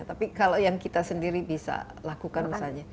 tapi kalau yang kita sendiri bisa lakukan misalnya